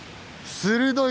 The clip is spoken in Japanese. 鋭い！